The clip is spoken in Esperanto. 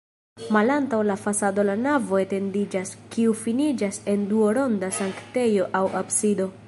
Malantaŭ la fasado la navo etendiĝas, kiu finiĝas en duonronda sanktejo aŭ absido.